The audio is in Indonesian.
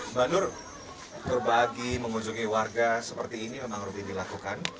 mbak nur berbagi mengunjungi warga seperti ini memang rutin dilakukan